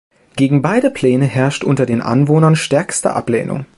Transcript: Gegen beide Pläne herrscht unter den Anwohnern stärkste Ablehnung.